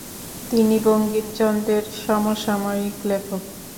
তিনি বঙ্কিমচন্দ্রের সমসাময়িক লেখক।